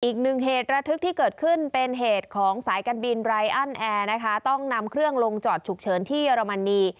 อีกหนึ่งเหตุระทึกที่เกิดขึ้นเป็นเหตุของสายการบินไรอันแอร์นะคะต้องนำเครื่องลงจอดฉุกเฉินที่เรมนี